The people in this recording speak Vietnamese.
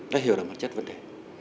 đã hiểu được bản chất vấn đề